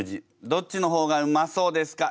どっちの方がうまそうですか？